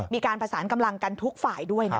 มีการผสานกำลังกันทุกฝ่ายด้วย